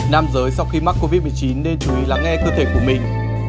nam giới sau khi mắc covid một mươi chín nên chú ý lắng nghe cơ thể của mình